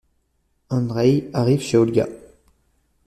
Andreï arrive chez Olga.